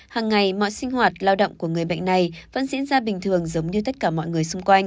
hàng ngày mọi sinh hoạt lao động của người bệnh này vẫn diễn ra bình thường giống như tất cả mọi người xung quanh